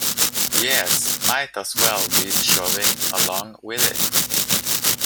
Yes, might as well be shoving along with it.